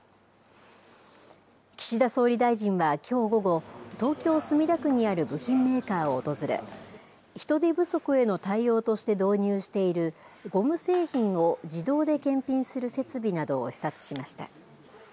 岸田総理大臣は、きょう午後東京・墨田区にある部品メーカーを訪れ人手不足への対応として導入しているゴム製品を自動で検品する設備などを視察しました。